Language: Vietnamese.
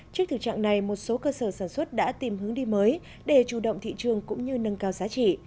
trước thực trạng này một số cơ sở sản xuất đã tìm hướng đi mới để chủ động thị trường cũng như nâng cao giá trị